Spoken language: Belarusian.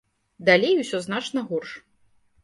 Далей усё значна горш.